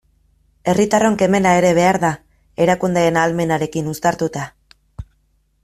Herritarron kemena ere behar da, erakundeen ahalmenarekin uztartuta.